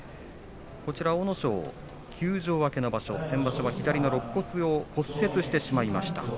阿武咲、休場明けの場所先場所は左のろっ骨を骨折してしまいました。